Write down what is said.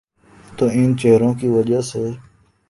تو ان چہروں کی وجہ سے۔